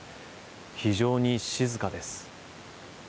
非常に静かです。